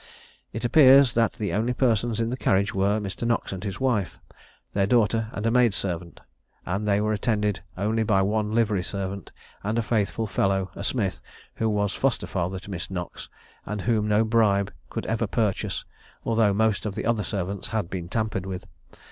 It appears that the only persons in the carriage were Mr. Knox and his wife, their daughter and a maid servant; and they were attended only by one livery servant, and a faithful fellow, a smith, who was foster father to Miss Knox, and whom no bribe could ever purchase, although most of the other servants had been tampered with.